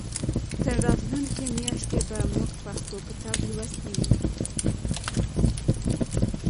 تر راتلونکې میاشتې به موږ پښتو کتاب لوستی وي.